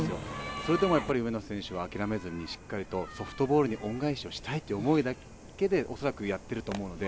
それでも上野選手は諦めずにソフトボールに恩返しをしたいという思いだけで恐らく、やっていると思うので。